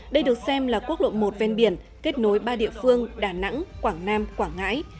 đây được xem là quốc lộ một ven biển kết nối ba địa phương đà nẵng quảng nam quảng ngãi